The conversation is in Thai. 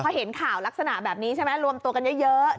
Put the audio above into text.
พอเห็นข่าวลักษณะแบบนี้ใช่ไหมรวมตัวกันเยอะ